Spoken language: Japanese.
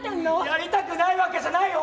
やりたくないわけじゃないよ